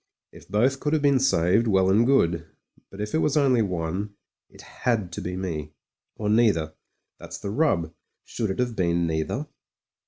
If both could have been saved, well and good ; but if it was only one, it had to be me, or neither. That's the rub ; should it have been neither